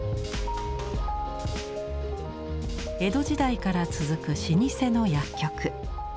江戸時代から続く老舗の薬局。